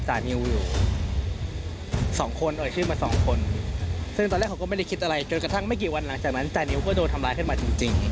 จนกระทั่งไม่กี่วันหลังจากนั้นจ่านิวก็โดนทำร้ายขึ้นมาจริง